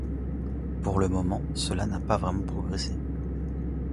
Pour le moment, cela n'a pas vraiment progressé.